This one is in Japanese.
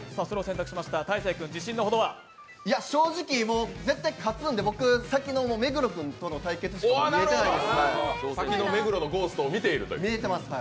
正直、絶対勝つんで僕、先の目黒君の対決しか見えてないです。